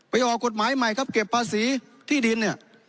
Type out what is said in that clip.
ออกกฎหมายใหม่ครับเก็บภาษีที่ดินเนี่ย